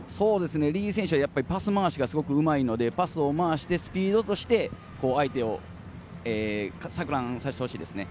李選手はパス回しがうまいのでパスを回して、スピードとして相手を錯乱させてほしいです。